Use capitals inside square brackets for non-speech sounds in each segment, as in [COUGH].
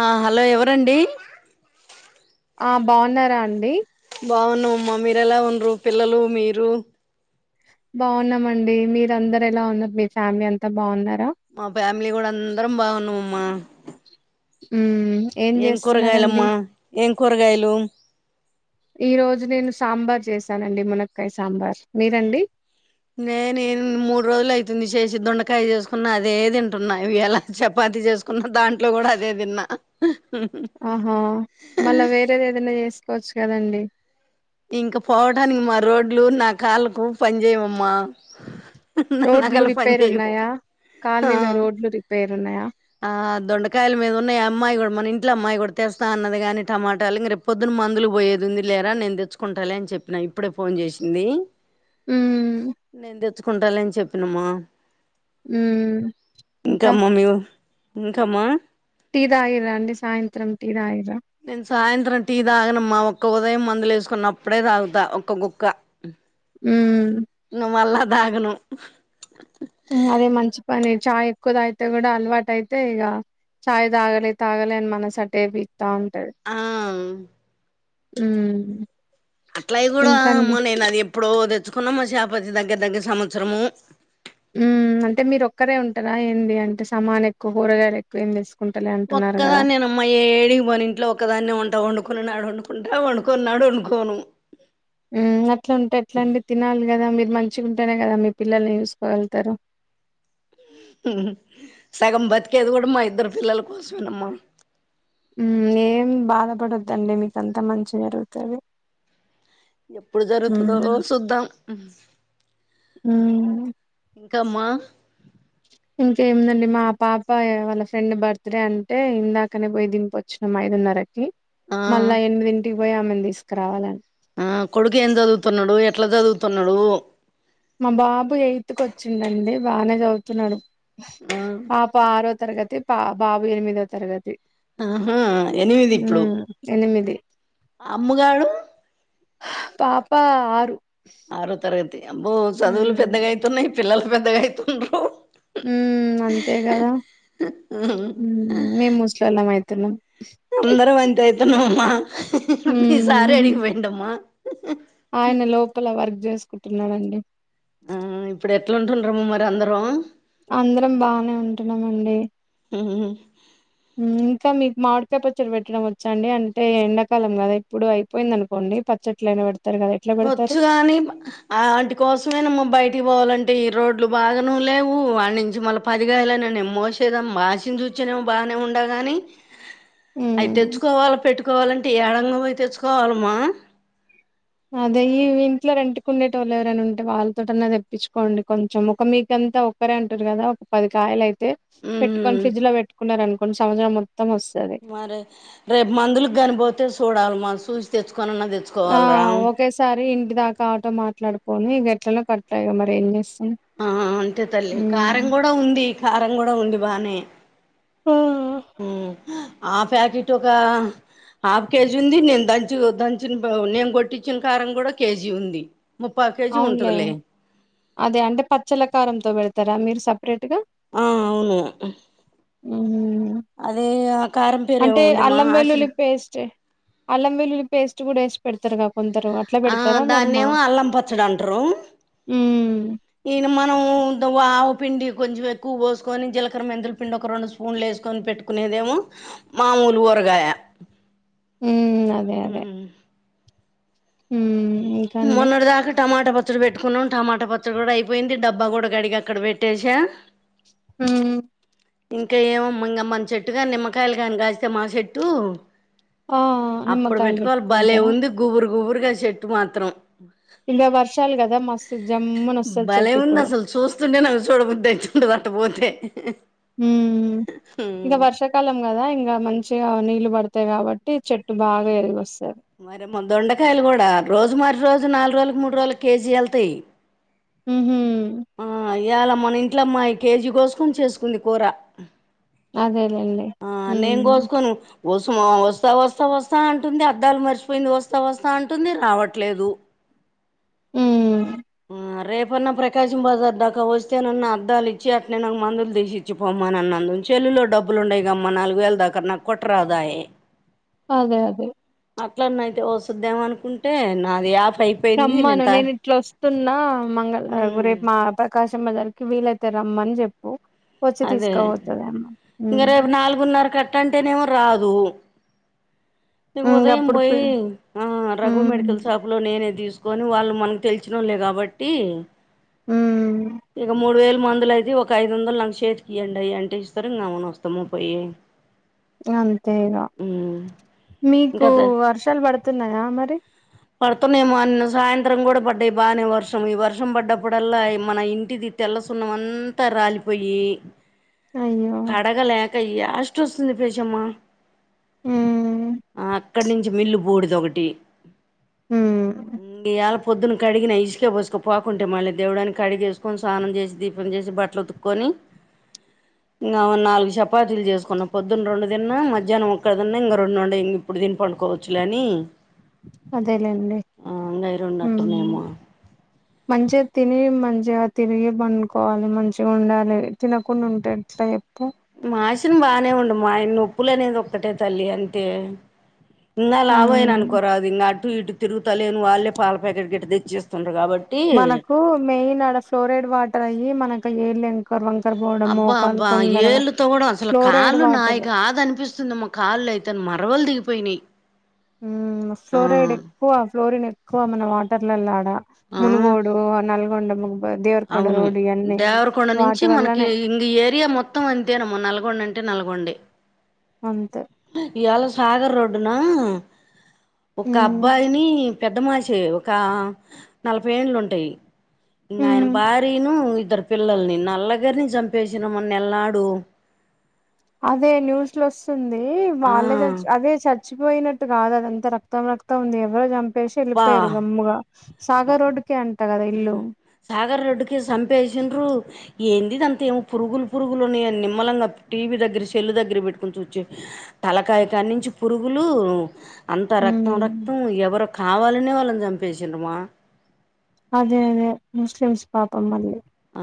ఆ హలో ఎవరండి ఆ బాగున్నారా అండి బావున్నా అమ్మా మీరెలా ఉంన్రు పిల్లలు మీరు బావున్నమండి మీర అందరు ఎలా ఉన్నారు మీ ఫ్యామిలీ అంతా బావున్నారా మా ఫ్యామిలీ గూడ అందరం బావున్నవమ్మా మ్ ఏం కూరగాయలమ్మా ఏం కూరగాయలు ఈ రోజు నేను సాంబార్ చేసానండి మునక్కాయ్ సాంబార్ మీరండి నేను ఇన్ మూడు రోజులు అయితుంది షేసి దొండకాయ్ చేసుకున్న అదే తింటున్న వేయాలా చపాతి చేసు కున్న దాంట్లో గూడ అదే దిన్న ఆహా మళ్ళ వేరేది ఏదన్న చేసుకోవచ్చు కదండి ఇంక పోవటానికి మా రోడ్లు నా కాళ్ళకు పని చేయవమ్మా నా రోడ్లు నగలు పని రిపేర్ చేయవు ఉన్నయా ఆ కాలనీలో రోడ్లు రిపేర్ ఉన్నయా ఆ దొండకాయల మీద ఉన్నయి అమ్మాయి గూడ మన ఇంట్లో అమ్మాయి గూడ తెస్తా అన్నది గని టమాటాలు ఇంగ రేప్ పొద్దున్న మందులు పోయేదుంది లేరా నేను దెచ్చు కుంటాలే అని చెప్పిన ఇప్పుడే ఫోన్ చేసింది మ్మ్ నేను తెచ్చుకుంటాలే అని చెప్ ప్పినమా మ్మ్ ఇంకా అమ్మా మీవు ఇంకమ్మా టీ తాగిర్రా అండి సాయంత్రం టీ తాగిర్ర నేను సాయంత్రం టీ తాగనమ్మా ఒక్క ఉదయం మందులు ఎసుకున్నప్పుడే తాగుతా ఒక్క గుక్క మ్ నువ్ మళ్ళా దాగను మ్ అదే మంచి పని చాయ్ ఎక్కువ తగితే గూడ అలవాటు అయితే ఇగా చాయ్ తాగలె తాగలే అని మనసు అటే విక్తా ఉంటది ఆ ఉమ్ అట్లయి గూడా ఇంకండి అమ్మ నేను అదేప్ ప్పుదో తెచ్చుకున్న మా షాపతి దగ్గర దగ్గర సంవత్సరము ఉమ్ అంటే మీరు ఒక్కరే ఉంటరా ఏంది అంటే సమాన్ ఎక్కువ కూరగాయల్ ఎక్ క్కువేం తీసుకుంటలే అంటున్నరు గదా అమ్మాయి ఏడిగి పోను ఇంట్లో ఒకదాన్నే ఉంట వండుకున్ననాడు వండుకుంటా వండుకున్నోన్నాడు వండుకోను ఉమ్ అట్లుంటె ఎట్లండి తినాలిగదండి మీరు మంచిగుంటేనే గదా మీ పిల్లల్ని చూసుకోగలుతరు సగం బతికేది గూడ మా ఇద్దరు పిల్లల కోసమేనమ్మా ఉ ఏం బాధపడోద్దండి మీక అంత మంచే జరుగుతది ఎప్పుడు ఉమ్ జరుగుతదో సూద్దం ఉ ఇంకామ్మా ఇంకేముందండి మా పాపయ వాళ్ళ ఫ్రెండ్ బర్త్డే అంటే ఇందాకనే పోయి దింపొ వచ్చినం ఐదున్నరకి ఆ మళ్ళా ఎనిమిదింటికి పోయి ఆమెను తీసుకురావాలని ఆ కొడుకు ఏం చదువుతున్నడు ఎట్ల చదువుతున్నడూ మా బాబు ఎయిత్ కు అచ్చిండండి బానే చదువుతున్నడు ఆ పాప ఆరో తరగతి పా బాబు ఎనిమిదో తరగతి ఆహా ఎనిమిది ఇప్పుడు ఉమ్ ఎనిమిది అమ్ము గాడు పాప ఆరు ఆరో తరగతి అబ్బో చదువులు ఉమ్ పెద్దగైతున్నయ్ పిల్లలు పెద్దగైతుండ్రు హ్మ్ అంతే గదా మేము హ్మ్ ముసులోళ్ళం అయితున్నం అందరం అంతే అయితున్నమమ్మా మీ ఉమ్ సారేడికి పోయిండమ్మా ఆయన లోపల వర్క్ చేసుకుంటున్నడండి ఆ ఇప్పుడు ఎట్లుంటుండ్రమ్మ మరి అందరూ అందరం బానే ఉంటున్నం అండి ఇంకా మీకు మామిడికాయ్ పచ్చడ పెట్టడం వచ్చ అండి అంటే ఎండాకాలం గదా ఇప్పుడు అయి పోయింది అనుకోండి పచ్చెట్లైనా పెడతారు కదా ఇప్ వచ్చు కాని ఆ ఆంటీ కోసమేనా బయటికి పోవాలంటే ఈ రోడ్లు బాగాను లేవు ఆడ్ నుంచి మళ్ళ పదిగాయల న న మోసేదాం మషిన్ చూచనేమో బాగానే ఉండ గాని అయ్ ఉమ్ తెచ్చుకోవాల పెట్టుకోవాలంటే ఏడంగం అవి తెచ్చుకోవాలమ్మా అదే ఈ ఇంట్లో రెంటికు ఉండేట వాళ్ళు ఎవరైనా ఉంటే వాళ్ళతోటన తెప్పించుకోండి కొంచెం ఒక మీకంతా క్కరే అంటారు కదా ఒక పది కాయలు అయితే పెట్టుకొని ఉమ్ ఫ్రిడ్జ్ లో పెట్టుకున్నారుార అనుకోండి సంవత్రం మొత్తం ఒస్తది మరే రేపు మందులకి గాని పోతే సూడలే మ చూసి తెచ్చుకనిన్న తే ఆ ఒకేసారి ఇంటి దాకా ఆటో మాట్లాడుకొని గట్లలో కట్ట ఇగ మరి ఏం చేస్తాం ఆ అంతే తల్లి కారం హ్మ్ కూడా ఉంది కారం కూడా ఉంది బానే ఆ! ఉమ్ ఆ ఫాకిట్ ఒక హాఫ్ కేజీ ఉంది నేను దంచ దంచిన నేను కొట్టించిన కారం కూడా కేజీ ఉంది ముప్పై కేజీ అవునులే ఉంటదిలే అదే అంటే పచ్చల కారంతో పెడతారా మీరు సపరేట్ గా ఆ అవును హ్మ్ అదే కారంపేరు అంటే ఉండమా అల్లం వెల్లుల్లి ఆశిర్వా పేస్ట్ అల్లం విల్లుల్లి పేస్ట్ కూడా వేసి పెడతారుగా కొందరు అట్లా పెడతారా మరి మా చినడ్రోం హ్మ్ ఇనా మనము వావ్ పిండి కొంచం ఏక ఉవ్ వొస్కొని జీకర మెంతుల్ పిండి ఒక రెండు స్పూన్లు ఏసుకొని పెట్టుకునేదేమో. మామూలు వరగాయ. మ్ అదే అదే మ్ మ్ మొన్నటిదాకా టమాటా పచ్ పచ్చడి పెట్టుకున్నాం టమాటా పచ్చడి కూడా అయిపోయింది డబ్బా కూడా కడిగి అక్కడ పెట్టేషా మ్ ఇంకా ఏమో మంగమ్మ చెట్టు కానీ నిమ్మకాయలు కాని కాస్తే మా చెట్టు ఆ అప్పుడు నిమ్మకాయలు పెట్టుకోవాలి బలే పెట్టుకుంటారా ఉంది గుబురు గుబురుగా చెట్టు మాత్రం. ఇంగ వర్షాలు కదా మస్తు జమ్ముని వస్తాది చెట్టు ఇప్పుడు చున్న నా చూడ బుధయుతుంది అటు పోతే మ్ ఇగ వర్ష కు కలం కదా ఇంగ మంచిగా నీళ్ళు పడతాయి కాబట్టి చెట్టు బాగా ఎరిగ పోస్తాది. మరేమో దొండకాయలు కూడా రోజు మరి రోజు నాలుగు రోజులకు మూడు రోజుల కేజీ ఎల్తాయ్ మ్ హా ఆ ఇయాల మన ఇంట్లో మాయి కేజీ కోసుకొని చేసుకుంది కూర. అదేలేండి ఆ నేను హ్మ్ కోసుకోను. వసుమా వస్తా వస్తా వస్తా అంటుంది అద్దాలు మర్చిపోయింది వస్తా వస్తా అంటుంది రావట్లేదు. హ్మ్ ఆ రేపన్నా ప్రకాశం బజార్ దాకా వస్తేనన్న అద్దాలు ఇచ్చి అట్నేనే మందులు తీసిచ్చ మార్చి పొమనాన్నందుకు సేల్లులో డబ్బులు ఉండయి గా మా నాలుగు వేలు దాకా నాక్ కొట్టారాధయే అదే అదే అట్లన్న అయితే ఓసుద్దేమ అనుకుంటే నాది ఆఫ్ రమ్మాను నేను ఇట్లా ఒస్తున్నా మంగళ మ్మ్ రేపు మా అపార్ట్ కాశం బజార్ కి వీలైతే రమ్మని చేప్పు అదే ఇంగ రేపు నాలుగున్నర కట్టంటేనేమో రాదు ఇ ఉదయం ఇంగప్పుడు పి బోయి, ఆ రఘు హ్మ్ మెడికల్ షాప్ లో నేనే తీసుకొని వాళ్ళు మనకు తెలిసినోలే కాబట్టి మ్ ఇక మూడు వేల మందులు అయితే ఒక ఐదు వందలు నాకు చేతికి ఈయండి ఆయా అంటే ఇస్తారు ఇ అ మన వస్తామ పోయి అంతేగా మ్మ్ మీకు గదే వర్షాలు పడుతున్నాయా మరి పడుతున్నామో అన్న సాయంత్రం కూడా పడ్డాయి బాగానే వర్షం ఈ వర్షం పడ్డప్పుడల్లా మన ఇ ఇంటిది తెల్ల సున్నం అంతా రాలిపోయి. ఆయో కడగలేక యాస్టొస్తుంది ఫేషామ్మ ఉమ్ ఆ అక్కడి నుంచి మిల్లు బూడిద ఒకటి ఉమ్ ఇయల్ పొద్దున్న కడిగిన ఇష్క బోష్క పోకుంటే మళ్ళీ దేవడా అని కడిగేసు కొని స్నానం చేసి దీపం చేసి బట్టలు ఓతుకొని ఇంగ ఓ నాలుగు షపాతీలు చేసుకున్న పొద్దున్న రెండు దిన్నా మధ్యానం ఒక్కటి తిన్నా ఇంగ రెండుండై ఇప్పుడు తీని పండుకోవచ్చులె అని అంతే లే అండి ఆ ఇంగ అయి రెండు మ్ అట్టున్నాయేమో మంచిగ తిని మంచిగా తిరిగి పండ కోవాలే మంచికండాలె తినకుండ ఉంటే ఎ పెపు మాషిన్ బానే ఉండు మయిన్ ఉప్పులనేది ఒక్కటే తల్లి అంతే ఇంగా లావయిన ఉమ్ అనుకోరాదు ఇంగ అటు ఇటు తిరుతలేను వాళ్ళే పాల ప్యాకెట్ గిట్ట దెచ్చేస్తుండ్రు కాబట్టి మనకూ మెయిన్ ఆడ ఫ్లోరైడ్ వాటర్ అయి మనకు ఎల్లోంకర అబ్బా అబ్బా ఏళ్ళుతో కూడా అసలు ఫ్లోరైడ్ కాళ్ళు నాయి వాటర్ కాదు అనిపిస్తున్ వస్తుందమ్మా కాళ్ళైతే మరవ్వల్ దిగిపోయినై ఊ ఫ్లోరైడ్ ఎక్కూ వ ఫ్లోరిన్ ఎక్కూవ మన వాటర్లలా అ ఆ మునుగోడు ఆ నల్గొండ ముబద్ దేవ్ అవునూ దేవ్రకొండ నించి మనకీ వల్లనే ఇంగ ఈ ఏరియా మొత్తం అంతేనమ్మ నల్గొండ అంటే నల్గొండే అంతే ఇయాళ సాగర్ రోడ్డునా ఒక హ్మ్ అబ్బాయినీ పెద్ద మనిషేరూ ఒక నలపై ఎన్లు ఉంటై ఇన ఆయిన హ్మ్ బార్ ఇనూ ఇద్దరు పిల్లల్ని నల్లగానీ జమ్పేసిన మొన్నెలాడు అదే న్యూస్లో ఓస్తుందీ ఆ వాళ్ళదె చ అదే చచ్ చచ్చిపోయినట్టు గాదు అదంత రక్తం రక్తం ఉంది ఎవరో జంపేసి బా ఏళ్ళిపోయిర్రు గమ్ముగా సాగర్ రోడుకే అంన్ ఉ సాగర్ రోడ్డుకే సంపేషిండ్రూ ఏంది ఇది అంతేమో పురుగులు పురుగులు ఉన్నాయి అని నిమ్మలంగా అతే టీవీ దగ్గర సెల్లు దగ్గర పెట్టుకోని చుచ్చే తలకాయ కానించి పురుగులూ అంత రక్తం హ్మ్ రక్తం ఎవరో కావాలనే వాళ్ళన్ జంపేసిండ్రు మా అదే అదే ముస్లిమ్స్ పాపం వాళ్ళు ఆ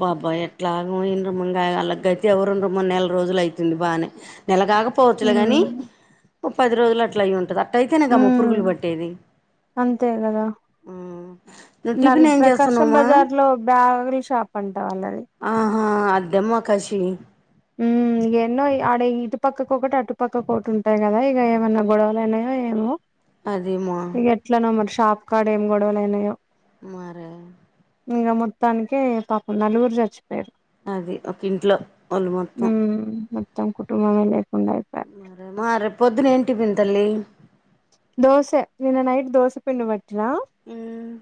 పాపం ఎట్లానో ఎందమో ఇంగ అల్లా గాతి ఎవరున్డ్రామ్మా నెల రోజులు అయితుంది బానే నెలగాకపోవచ్చులే గాని హ్మ్ ఓ పది రోజులు అట్లా అయి ఉంటది అ అట్ట అయితేనే గా అమ్మ పురుగులు హ్మ్ పట్టేది అంతే గదా మ్ నువ్వు నల్ టిఫిన్ ఏం ప్రకాశం చేస్తున్నావమ్మా బజార్ లో బ్యావ్ రీ షాప్ అంట అల్లది ఆహా అద్దెమ్మ కాషి ఉమ్ ఎన్నో ఇగ ఆడ ఇటు పక్కకి ఒకటి అటుపక్కకి ఒకటి ఉంటాయి కదా ఇగ ఏమైనా గొడవలైనయో అయివో అద్ది మా ఎట్లనో మరి షాప్ కాడా ఏం గొడవలైనాయో మరే ఇంగ మొత్తానికే పాపం నలుగురు జచ్చిపోయిరు అది ఒక్కింట్లో ఉమ్ మొత్తం కుటుంబమే లేకుడాయి మా ఆ రేప్పొదున ఏం టిఫిన్ తల్లి దోసే నిన్న నైట్ దోస పిండి వట్టినా ఉమ్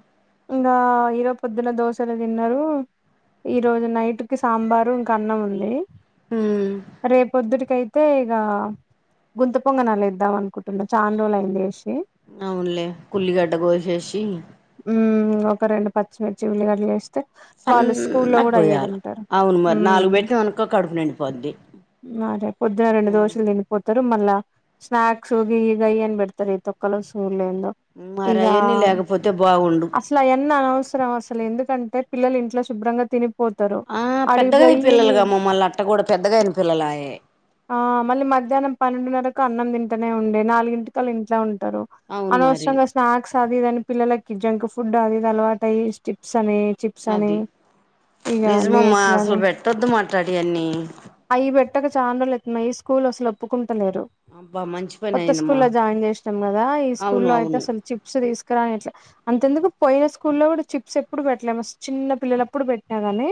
ఇంగా ఈరో పొద్దున దోషలే తిన్నరూ ఈ రోజు నైట్ కు సాంబారు ఇంకా అన్నం ఉంది మ్ రేప్ పొద్దుడికైతే తే ఇగా గుంత పొంగనలేద్దాం అనుకుంటున్నా చాన్ రోలైంది ఇషి అవ్నులే కుల్లిగడ్డ కోశేషి ఊమ్ ఒక రెండు పచ్చిమిర్చి ఉల్లిగడ్లేసి తే వాళ్ళు స్కూల్లో సన్నగా కూడా అయ్యే గోయాల తింటారు అవును మరి నాలుగు ఉమ్ పెట్టినాం అనుకో కడుపు నిండిపోద్ది మారే పొద్దున రెండు దోశలు తిన్ పోత్తరు మళ్ళా స్నాక్సు గియ్యిగయ్యని పెడ్తారు ఈ తొక్కలో స్కూల్ ఎందో మరియన్నీ లేకపోతే బాగుండు అసలు అయన్ని అవసరం అసలు ఎందుకంటే పిల్లలు ఇంట్లో శుభ్రంగా తిని ఆ పెద్దగైన పిల్లల్గామ్మల్లట్ట కూడా పెద్దగైన పిల్లలాయే ఆ మళ్ళీ మధ్యాహ్నం పన్నెండున్నరకు అన్నం తింటనే ఉండే నాలుగింటికాఇంట్లో ఉంటారు అవును మరి అనోసరంగా స్నాక్స్ అదిఇది అని పిల్లలకి జంక్ ఫుడ్ అది ఇది అలవాటై స్టిప్స్ అని చిప్ చిప్స్ అని అది ఇగ లేేస్లని తోద్దు మాట్లాడియన్నీ అవి పెట్టక చానా రోజులు అయితున్నాది స్కూల్ అసలు ఒప్పుకుంటలేరు అబ్బా మంచి పని కొత్త అయిందమ్మా స్కూల్లో జాయిన్ చేస్నాం కదా ఈ అవును స్కూల్లో అయితే అవును అసలు చిప్స్ తీస్కరానిట్లే అంతెందుకు పోయిన స్కూల్లో కూడా చిప్స్ ఎప్పుడు పెట్టలే చిన్న పిల్లలప్పుడు పెట్టినా గాని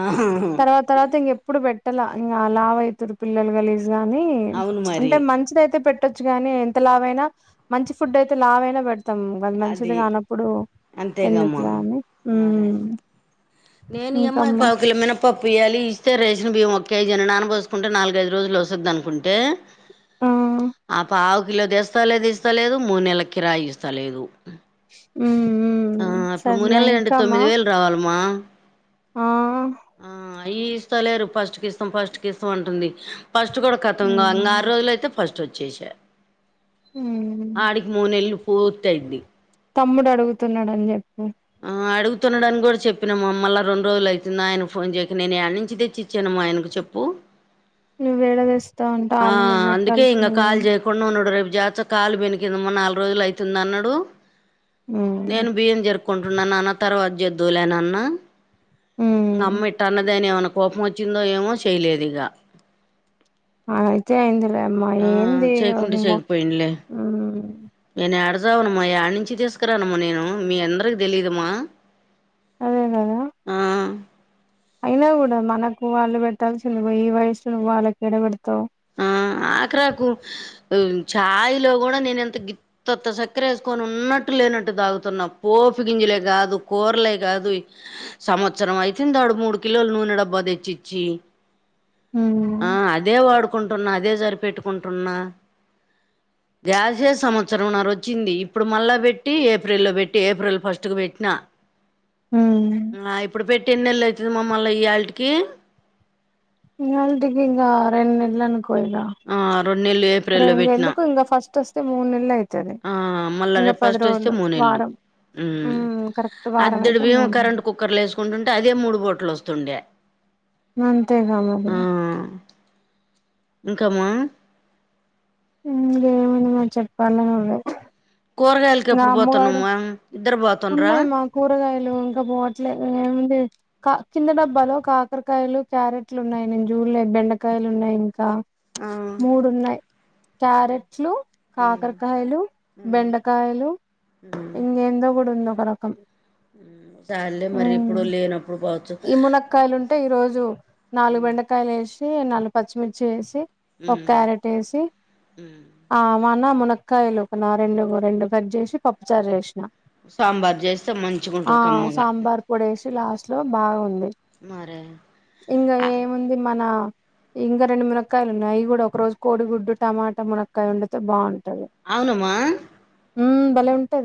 ఆహాహు [UNINTELLIGIBLE] తర్వాత తర్వాత ఇంగేప్పుడు పెట్టాల ఇగ లావైతురు పిల్లలు గలిజ్గా గాని అవును అంటే మరి మంచిదైతే పెట్ పెట్టొచ్చు కాని ఎంత లావైనా మంచి ఫుడైతే లావైనా పె మొత్తం అది మంచిది కానప్పుడు ఎందుకుతి అంతేగమ్మా అని మరే నేను ఇయమ ఇంకమ్మా పావుకిలా మినప పప్పీయ్యాలి ఇస్తే రేషన్ బియ్యం ఒక్కే జనానబోస్కుంటే నాలుగైదు రోజులోస్తుందనుకుంటే ఆ ఆ పావుకిలో తెస్తాలేదు ఇస్తలేదు మూడు నెల కిరాయిస్తలేదు ఉ ఉ సర్లే ఇంకామ్మా రావాల్మా ఆ ఆ ఇస్తలేరు ఫస్ట్కిఇస్తాం ఫస్ట్కిఇస్తాం అంటుంది. ఫస్ట్ కూడా కతం కాగా ఆరు ఉమ్ రోజులైతే ఫస్టోచ్చేసా ఉమ్ ఆడికి మూనెళ్లు పూర్తైంది తమ్ముడు ఆడుగుతున్నాడని చెప్పు అడుగుతున్నాడని కూడా చెప్పినామమ్మ రెండ్రోజులు అయితుంది ఆయన ఫోన్ చేయక నేనేడ్నుంచి తెచ్చి చ్చినమ్మా ఆయనకు చెప్పు నువ్వు ఎడ తెస్తావు ఉంటా వాళ్ళు నీకు పెట్టాల్సినది కొన్నుడు రేపు జాతార కాలు బెనికిందమ్మా నాల్గు రోజులు ఐతుందన్నాడు ఉమ్ నేను బియ్యం జెరుప్కుంటున్నా నాన్న తర్వాత చేద్దువులేనన్న ఉమ్ మమ్మి ఇట్ట అన్నదని ఏమైన కోపం ఓచ్చిందో ఎమో చేయలేదు ఇగ అయితే అయిందిలేమ్మ ఆ ఏంది ఇగ చేయకుంటే నువ్వు పో ఉహ్ నేనేడజావనమ్మా ఏడ్నుంచి తీస్కురానమ్మా నేను మీ అందరికి తెలీదమ్మా అదెకదా ఆ అయినా కూడా మనకు వాళ్ళు పెట్టాల్సింది పోయి ఈ వయస్సులో నువ్వు వాళ్ళకేడ పెడ్తావు ఆ ఆక్రాకు ఛాయిలో కూడా నేనెంత గ [UNINTELLIGIBLE] ఉత్తఉత్త సక్కరేస్కొని ఉన్నట్టు లేనట్టు తాగుతున్నా పోపి గింజలే కాదు కూరలే కాదు సంవత్సరం అయితుంది ఆడు మూడు కిలోలు నూనె డబ్బా తెచ్చిచ్చి ఉ ఆ అదే వాడుకుంటున్నా అదే సరిపెట్టుకుంటున్నా గ్యాసే సంవత్సరంన్నార ఓచ్చింది ఇప్పుడు మళ్ళా పెట్టి ఏప్రిల్లో పెట్టి ఏప్రిల్ ఫస్ట్కు పెట్టినా ఆ ఇప్పుడు పెట్టి ఎన్నేలైతాది మమ్మల్లియాళ్ట్కి ఇయాళ్టికి ఇగ రెండ్నేలనుకోయిగా ఆ రెండు నెలలు ఏప్రిల్లో పెట్టినా రెండేందుకు ఇంగ ఫస్ట్ ఆస్తే మూనెళ్లె ఆ మళ్ళా రేపు ఫస్ట్ వస్తే మూడు నెలు వారం ఉమ్ మ్మ్ కరెక్ట్ వారం అదుడు అయితే బియ్యం మూడు కరెంట్ నెలలు కుక్కర్ లో వేసుకుంటుంటే అదే మూడు పోట్లు వస్తుండే అంతేగా మరి ఆమ్ ఇంకామ్మా ఇంకేమనా మాకు చెప్పాల నువ్వే కూరగాయలకి ఇంగా ఎప్పుడు అమ్మగాడు పోతున్నామ్మా ఇద్దరు పోతునుర్రా ఉన్నాయి మా కూరగాయలు ఇంకా పోట్లే ఏముంది కింద డబ్బాలో కాకరకాయలు క్యారెట్లు ఉన్నాయి నేను చూడలే బెండకాయలు ఉన్నాయి ఇంకా ఆ మూడు ఉన్నాయి క్యారెట్లు మ్మ్ కాకరకాయలు మ్మ్ బెండకాయలు ఇంకా ఎందో కూడా ఉంది ఒకరకం ఉమ్ ఉమ్ ఈ మునక్కాయలు ఉంటే ఈ రోజు నాలుగు మ్మ్ బెండకాయలు వేసి అంటే నాలుగు పచ్చిమిర్చి వేసి ఒక మ్మ్ క్యారెట్ వేసి మ్మ్ ఆ మొన్న మునక్కాయలు ఒక నా రెండు రెండు కట్ చేసి పప్పుచారు లో వేసిన సాంబార్ చేస్తే మంచిగా ఉంటది కమ్మగా పొడి ఏసి లాస్ట్ లో బాగుంది మరే ఇంకా ఏముంది మన ఇంకా రెండు మునక్కయలు ఉన్నాయి అయి కూడా ఒక రోజు కోడిగుడ్డు టమాటా మునక్కయ వండితే బావుంటది అవునమ్మా ఉమ్ బలే ఉంటది